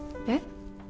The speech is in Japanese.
えっ？